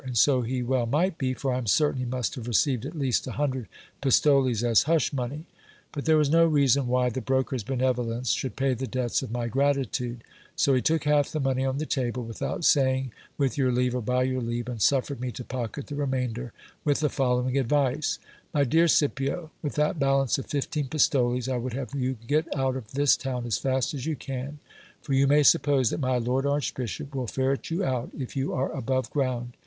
And so he well might be ; for I am certain he must have received at least a hundred pistoles as hush money. But there was no reason why the broker's benevolence should pay the debts of my gratitude : so he took half the money on the table, without saying with your leave or by your leave, and suffered me to pocket the remainder, with the following advice : My dear Scipio, with that balance of fifteen pistoles, I would have you get out of this town as fast as you can ; for you may suppose that my lord archbishop will ferret you out if you are above ground.